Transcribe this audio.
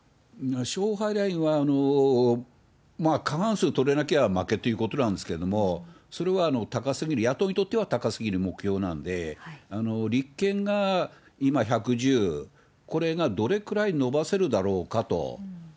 勝敗ラインは過半数取れなきゃ負けということなんですけれども、それは高すぎる、野党にとっては高すぎる目標なんで、立憲が今、１１０、これがどれくらい伸ばせるだろうかと。